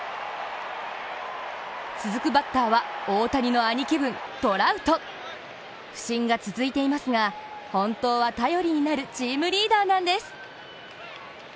続くバッターは大谷の兄貴分トラウト不振が続いていますが、本当は頼りになるチームリーダーなんです。